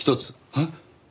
えっ？